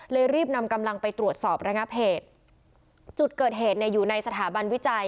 รีบนำกำลังไปตรวจสอบระงับเหตุจุดเกิดเหตุเนี่ยอยู่ในสถาบันวิจัย